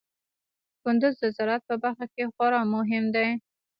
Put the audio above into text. کندز د زراعت په برخه کې خورا مهم دی.